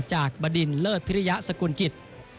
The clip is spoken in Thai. บดินเลิศพิริยะสกุลกิจ